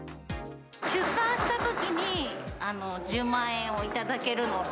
出産したときに、１０万円を頂けるのと。